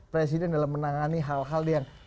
presiden dalam menangani hal hal yang